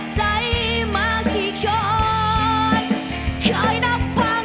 ใจมากี่กรอดเคยนับปะไหม